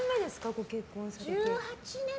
ご結婚されて。